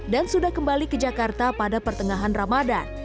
dan sudah kembali ke jakarta pada pertengahan ramadan